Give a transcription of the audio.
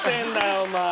お前！